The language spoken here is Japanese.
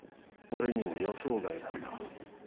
俺にも予想外だった。